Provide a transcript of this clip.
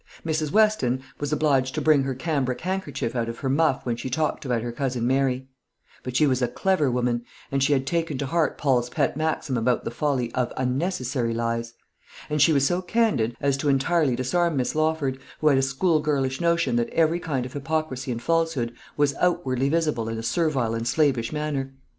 Mrs. Weston was obliged to bring her cambric handkerchief out of her muff when she talked about her cousin Mary; but she was a clever woman, and she had taken to heart Paul's pet maxim about the folly of unnecessary lies; and she was so candid as to entirely disarm Miss Lawford, who had a schoolgirlish notion that every kind of hypocrisy and falsehood was outwardly visible in a servile and slavish manner.